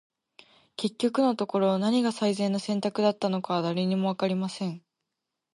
•結局のところ、何が最善の選択だったのかは、誰にも分かりません。